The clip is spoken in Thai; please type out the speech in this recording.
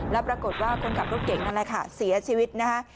แล้วปรากฏว่าคนขับรถเก่งนั่นแหละค่ะเสียชีวิตนะคะ